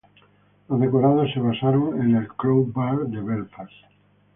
Los decorados se basaron en el Crown Bar de Belfast.